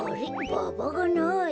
ババがない。